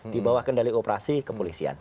di bawah kendali operasi kepolisian